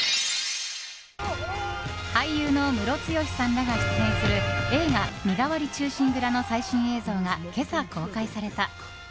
俳優のムロツヨシさんらが出演する映画「身代わり忠臣蔵」の最新映像が今朝、公開された。